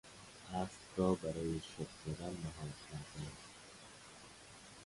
اسب را برای شخم زدن مهار کردن